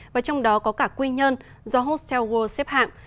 và trong đó có cả quê nhân do hostelworld xếp hạng